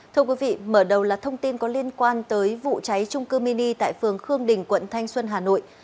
thưa quý vị mở đầu là thông tin có liên quan tới vụ cháy trung cư mini tại phường khương đình quận thanh xuân hà nội